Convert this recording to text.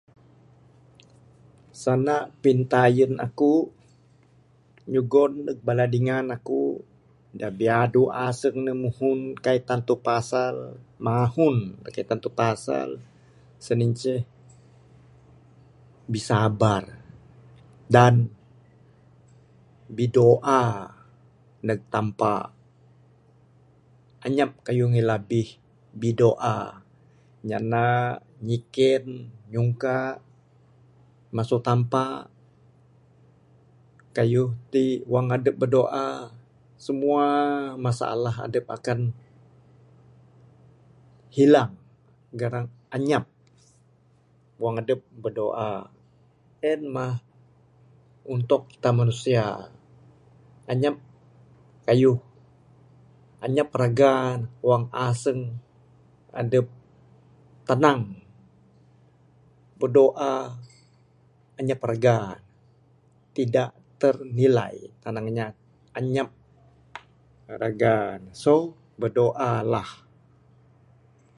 Sanda pintayen aku nyugon neg bala dingan aku da biadu aseng ne muhun kaik tantu pasal. Mahun kaik tantu pasal sien inceh bisabar dan bidoa neg Tampa, anyap kayuh ngilabih bidoa, nyanda, nyiken, nyungka masu Tampa kayuh ti wang adep bidoa, semua masalah adep akan hilang garang anyap wang adep berdoa. En mah untuk kita manusia. Anyap kayuh, anyap raga wang aseng adep tanang. Berdoa anyap raga, tidak ternilai. Tanang inya anyap raga ne. So, Berdoa lah